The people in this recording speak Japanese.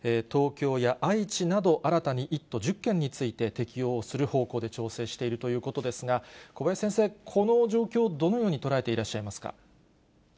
東京や愛知など、新たに１都１０県について、適用する方向で調整しているということですが、小林先生、この状況をどのように捉えていらっしゃいますか。